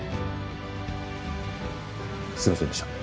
すいませんでした。